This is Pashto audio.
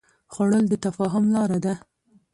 خوړل د تفاهم لاره ده